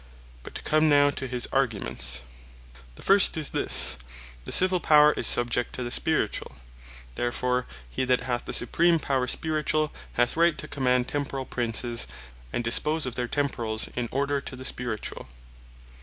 But to come now to his Arguments. The first is this, "The Civill Power is subject to the Spirituall: Therefore he that hath the Supreme Power Spirituall, hath right to command Temporall Princes, and dispose of their Temporalls in order to the Spirituall.